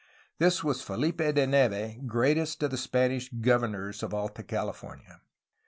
This was FeHpe de Neve, greatest of the Spanish governors of Alta California.